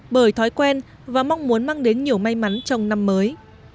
bởi thói quen và mong muốn mang đến nhiều may mắn trong năm mới